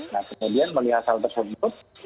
nah kemudian melihat hal tersebut